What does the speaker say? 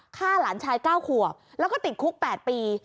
ฆ่าหลานชาย๙ขวบแล้วก็ติดคุก๘ปี